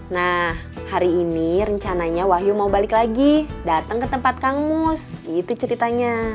nah hari ini rencananya wahyu mau balik lagi datang ke tempat kang mus gitu ceritanya